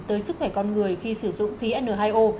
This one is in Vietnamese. tới sức khỏe con người khi sử dụng khí n hai o